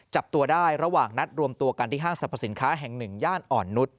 จับตัวได้ระหว่างนัดรวมตัวกันที่ห้างสรรพสินค้าแห่งหนึ่งย่านอ่อนนุษย